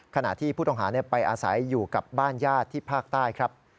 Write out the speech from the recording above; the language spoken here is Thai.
ขณะที่ผู้ต้องหาไปอาศัยอยู่กับบ้านญาติที่ภาคใต้ครับ